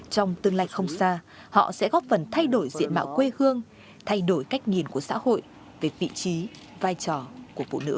trong tương lai không xa họ sẽ góp phần thay đổi diện mạo quê hương thay đổi cách nhìn của xã hội về vị trí vai trò của phụ nữ